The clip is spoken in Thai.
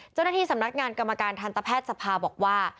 เจ้าหน้าที่สำนักงานกรรมการทันตแพทย์สภาบอกว่า